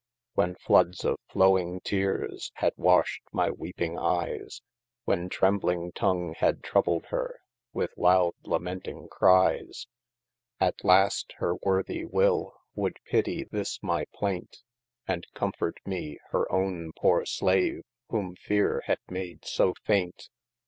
When fiuddes of flowing teares, had washt my weeping eies, When trembling tongue had troubled hir, with loud lamenting cries : At last hir worthy will would pittie this my plaint, And comfort me hir owne poore slave, whom feare had made so faint.